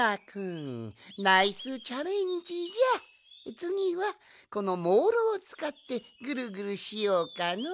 つぎはこのモールをつかってぐるぐるしようかの。